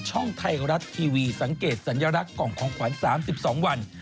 ช่องไทยรัฐทีวีสังเกตสัญลักษณ์กล่องของขวัญ๓๒วัน